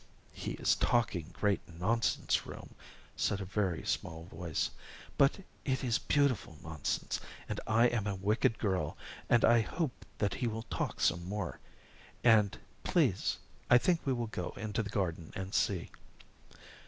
"He is talking great nonsense, room," said a very small voice, "but it is beautiful nonsense, and I am a wicked girl, and I hope that he will talk some more. And please, I think we will go into the garden and see."